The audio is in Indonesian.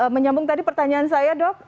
menyambung tadi pertanyaan saya dok